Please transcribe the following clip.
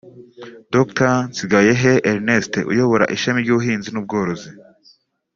Doctor Nsigayehe Ernest uyobora ishami ry’ubuhinzi n’ubworozi